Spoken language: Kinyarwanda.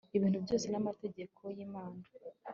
ibintu byose n amategeko yimana